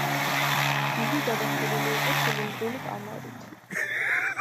იგი გადახურული იყო ცილინდრული კამარით.